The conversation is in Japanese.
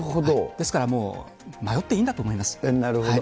ですからもう迷っていいんだなるほど。